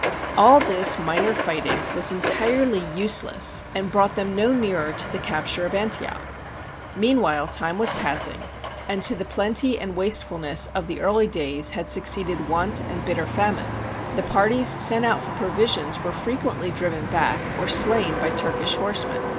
All this minor fighting was entirely useless and SIEGE OF ANTIOCH brought them no nearer to the capture of Antioch. Meanwhile time was passing, and to the plenty and wastefulness of the early days had succeeded want and bitter famine. The parties sent out for pro visions were frequently driven back or slain by Turkish horsemen.